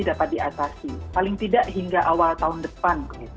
jadi mungkin akan terdapat diatasi paling tidak hingga awal tahun depan